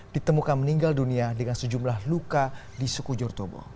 ditemukan meninggal dunia dengan sejumlah luka di suku jortobo